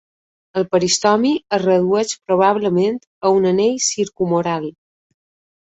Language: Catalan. El peristomi es redueix probablement a un anell circumoral.